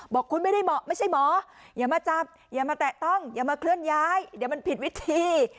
บอกคุณไม่ได้เหมาะไม่ใช่หมออย่ามาจับอย่ามาแตะต้องอย่ามาเคลื่อนย้ายเดี๋ยวมันผิดวิธี